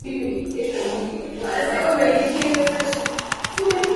ni kwa ajili ya watu wote Rais wa